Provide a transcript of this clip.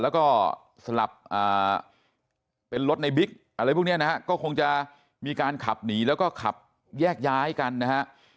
แล้วก็สลับเป็นรถในบิ๊กอะไรพวกนี้นะฮะก็คงจะมีการขับหนีแล้วก็ขับแยกย้ายกันนะฮะ